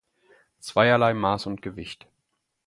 Zweierlei Maß und Gewicht.